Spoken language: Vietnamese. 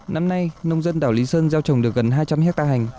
năm nay nông dân đảo lý sơn giao trồng được gần hai trăm linh hectare hành